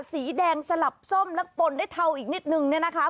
สีแดงสลับส้มและปนด้วยเทาอีกนิดนึงเนี่ยนะคะ